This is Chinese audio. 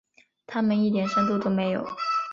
他们一点深度都没有。